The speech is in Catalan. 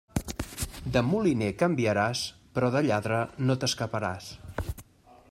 De moliner canviaràs, però de lladre no t'escaparàs.